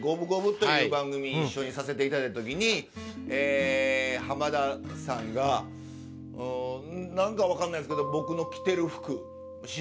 という番組一緒にさせていただいた時にえ浜田さんが何か分かんないですけど。